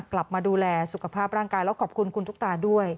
กลับมาดูแลสุขภาพร่างกายแล้วขอบคุณคุณตุ๊กตาด้วย